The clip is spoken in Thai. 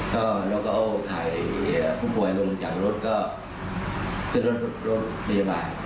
ก็แล้วก็เอาถ่ายเอ่อผู้ป่วยลงจากรถก็ขึ้นรถรถรถพยาบาล